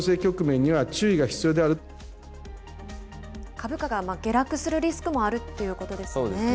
株価が下落するリスクもあるってことですよね。